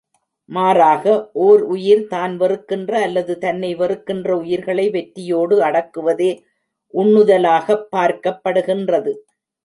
மாறாக, ஓருயிர் தான் வெறுக்கின்ற, அல்லது தன்னை வெறுக்கின்ற, உயிர்களை வெற்றியோடு அடக்குவதே உண்ணுதலாகப் பார்க்கப்படுகின்றது.